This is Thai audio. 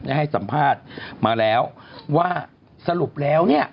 ได้ให้สัมภาษณ์มาแล้วว่าสรุปแล้ว